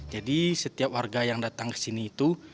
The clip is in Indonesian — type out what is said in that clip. jadi setiap warga yang datang ke sini itu